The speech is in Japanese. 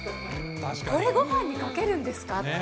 これ、ごはんにかけるんですかって。